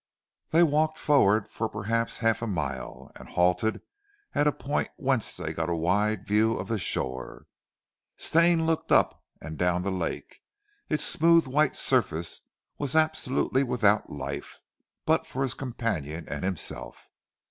They walked forward for perhaps half a mile and halted at a point whence they got a wide view of the shore. Stane looked up and down the lake. Its smooth white surface was absolutely without life but for his companion and himself.